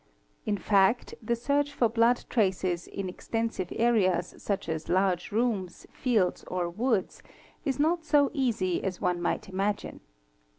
In fact, the search for blood traces in extensive areas such as large | rooms, fields, or woods, is not so easy as one might imagine.